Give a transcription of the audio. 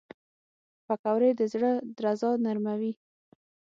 پکورې د زړه درزا نرموي